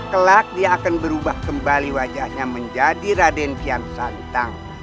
kelak dia akan berubah kembali wajahnya menjadi raden piam santang